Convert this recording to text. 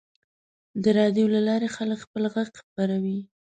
د راډیو له لارې خلک خپل غږ خپروي.